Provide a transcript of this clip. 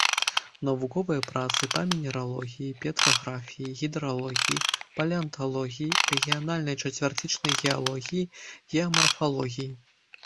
Навуковыя працы па мінералогіі, петраграфіі, гідралогіі, палеанталогіі, рэгіянальнай чацвярцічнай геалогіі, геамарфалогіі.